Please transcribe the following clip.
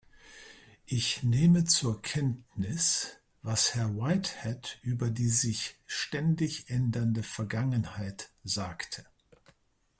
Ich nehme zur Kenntnis, was Herr Whitehead über die sich ständig ändernde Vergangenheit sagte.